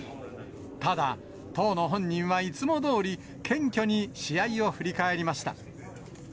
ただ、当の本人はいつもどおり、謙虚に試合を振り返りました。